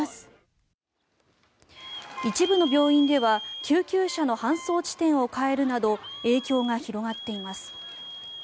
一部の病院では救急車の搬送地点を変えるなど影響が広がっています。